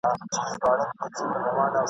ناپوهه ټولنه له اقتصادي ستونزو سره مخامخ کيږي.